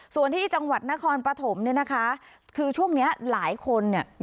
ส่วนที่จังหวัดนครปฐมเนี่ยนะคะคือช่วงนี้หลายคนเนี่ย